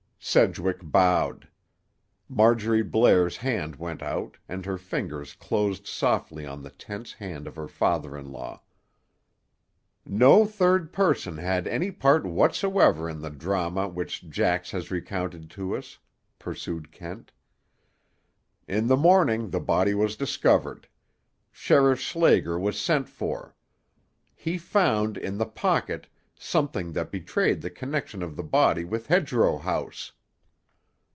Sedgwick bowed. Marjorie Blair's hand went out, and her fingers closed softly on the tense hand of her father in law. "No third person had any part whatsoever in the drama which Jax has recounted to us," pursued Kent. "In the morning the body was discovered. Sheriff Schlager was sent for. He found in the pocket something that betrayed the connection of the body with Hedgerow House."